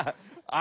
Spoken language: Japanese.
あ！